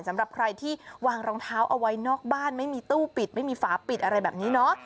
สำหรับใครที่วางรองเท้าเอาไว้นอกบ้านไม่มีตู้ปิดไม่มีฝาปิดอะไรแบบนี้เนาะ